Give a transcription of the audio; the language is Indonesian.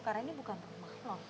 karena ini bukan rumah lo